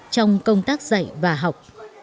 trong công tác dạy và học